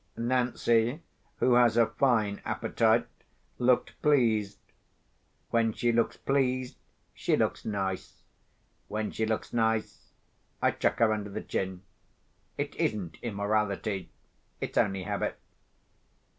Nancy (who has a fine appetite) looked pleased. When she looks pleased, she looks nice. When she looks nice, I chuck her under the chin. It isn't immorality—it's only habit.